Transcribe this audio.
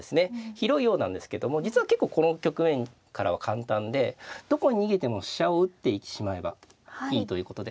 広いようなんですけども実は結構この局面からは簡単でどこに逃げても飛車を打ってしまえばいいということで。